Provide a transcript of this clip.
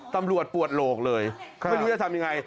ตำรวจปวดโหลกเลยไม่รู้จะทำอย่างไร